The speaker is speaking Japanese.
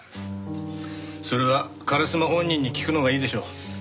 それは烏丸本人に聞くのがいいでしょう。